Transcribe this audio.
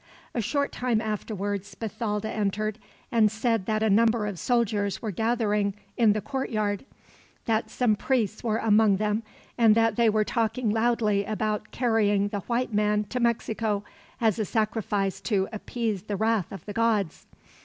A short time afterwards Bathalda entered, and said that a number of soldiers were gathering in the courtyard, that some priests were among them, and that they were talking loudly about carrying the white man to Mexico, as a sacrifice to appease the wrath of the gods.